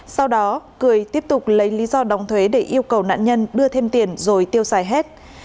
sau đó cười tiếp tục lấy lý do đóng thuế để yêu cầu nạn nhân đưa thêm tiền rồi tiêu xài hết